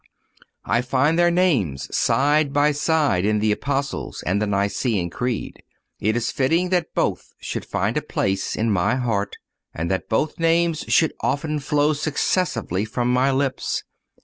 I find their names side by side in the Apostles' and the Nicene Creed. It is fitting that both should find a place in my heart, and that both names should often flow successively from my lips.